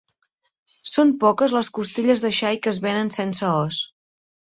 Són poques les costelles de xai que es venen sense os.